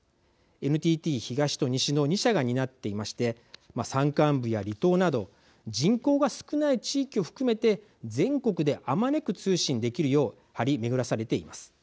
ＮＴＴ東と西の２社が担っていまして山間部や離島など人口が少ない地域を含めて全国であまねく通信できるよう張り巡らされています。